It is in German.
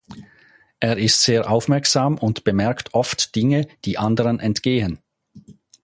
Er ist sehr aufmerksam und bemerkt oft Dinge, die anderen entgehen.